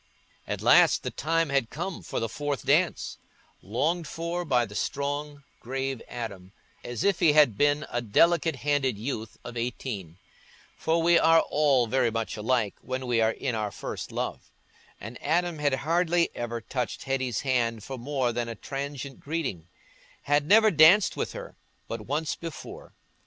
At last the time had come for the fourth dance—longed for by the strong, grave Adam, as if he had been a delicate handed youth of eighteen; for we are all very much alike when we are in our first love; and Adam had hardly ever touched Hetty's hand for more than a transient greeting—had never danced with her but once before.